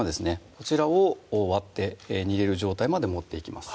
こちらを割って煮れる状態まで持っていきます